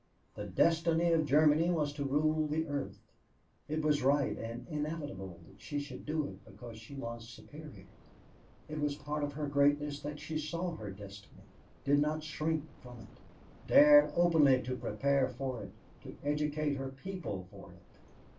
The destiny of Germany was to rule the earth. It was right and inevitable that she should do it because she was superior. It was part of her greatness that she saw her destiny, did not shrink from it, dared openly to prepare for it, to educate her people for it.